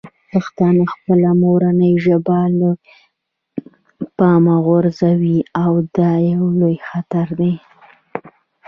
پښتانه خپله مورنۍ ژبه له پامه غورځوي او دا یو لوی خطر دی.